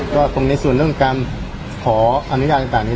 ก็ตรงในส่วนเรื่องการขออนุญาตต่างนี้